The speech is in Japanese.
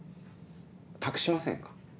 託しませんか？